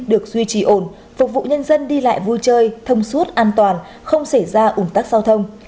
được duy trì ổn phục vụ nhân dân đi lại vui chơi thông suốt an toàn không xảy ra ủn tắc giao thông